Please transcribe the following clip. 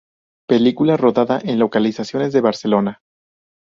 Película rodada en localizaciones de Barcelona.